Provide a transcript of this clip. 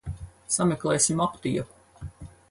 Sameklēsim aptieku.